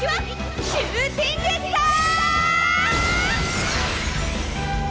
シューティングスター！